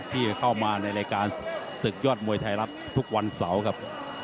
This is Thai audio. ที่เข้ามาในรายการศึกยอดมวยไทยรัฐทุกวันเสาร์ครับ